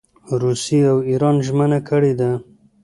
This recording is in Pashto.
روسیې او اېران ژمنه کړې ده.